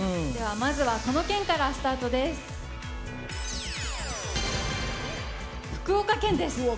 ではまずは、この県からスタートです。